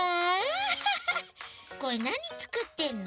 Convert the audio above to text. これなにつくってんの？